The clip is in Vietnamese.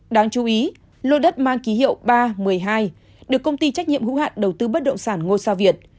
đáng chú ý lô đất mang ký hiệu ba một mươi hai được công ty trách nhiệm hữu hạn đầu tư bất động sản ngôi sao việt